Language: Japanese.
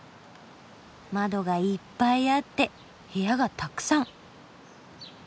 窓がいっぱいあって部屋がたくさん。